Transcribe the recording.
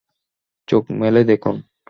চোখ মেলে দেখুন!